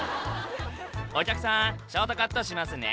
「お客さんショートカットしますね」